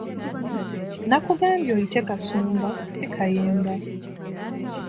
Nakugambye oyite Kasumba si Kayemba.